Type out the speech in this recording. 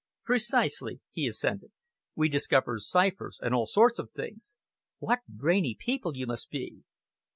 "Precisely," he assented. "We discover ciphers and all sorts of things." "What brainy people you must be!"